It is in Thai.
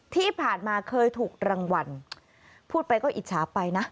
ที่ผ่านมาเคยถูกรางวัลพูดไปก็อิจฉาไปนะ